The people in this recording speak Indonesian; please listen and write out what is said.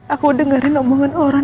aku dengern omongan orang